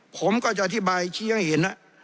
ผมก็จะอธิบายชี้ให้เห็น